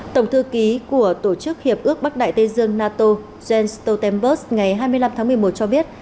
tổng thư ký của tổ chức hiệp ước bắc đại tây dương nato jens stoltenberg ngày hai mươi năm tháng một mươi một cho biết